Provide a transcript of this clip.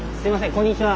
こんにちは。